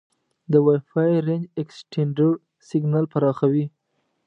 د وای فای رینج اکسټینډر سیګنال پراخوي.